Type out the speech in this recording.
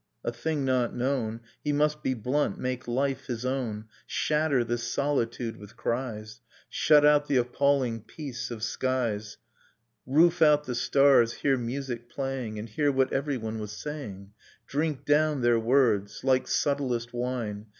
A thing not known. He must be blunt, make life his own, Shatter this solitude with cries. Shut out the appalling peace of skies, Nocturne of Remembered Spring Roof out the stars, hear music playing. And hear what everyone was saying, — Drink down their words, Uke subtlest wine.